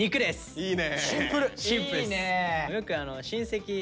いいね！